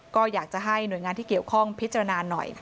ก็อยากจะให้หน่วยงานที่เกี่ยวข้องพิจารณาหน่อย